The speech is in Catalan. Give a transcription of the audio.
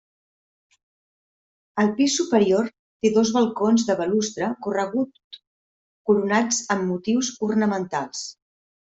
El pis superior té dos balcons de balustre corregut coronats amb motius ornamentals.